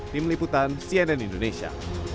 tim liputan cnn indonesia